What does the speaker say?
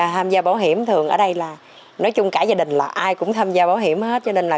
tham gia bảo hiểm thường ở đây là nói chung cả gia đình là ai cũng tham gia bảo hiểm hết cho nên là